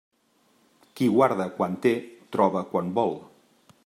Qui guarda quan té, troba quan vol.